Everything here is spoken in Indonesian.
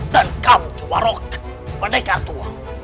dan kamu diwarok pendekar tua